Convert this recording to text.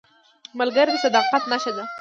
ملګری د صداقت نښه ده